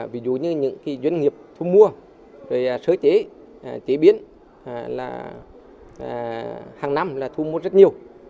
ví dụ như những doanh nghiệp thu mua sở chế chế biến hàng năm thu mua rất nhiều